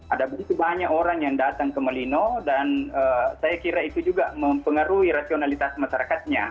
ada begitu banyak orang yang datang ke melino dan saya kira itu juga mempengaruhi rasionalitas masyarakatnya